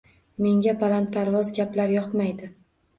Menga balandparvoz gaplar yoqmaydi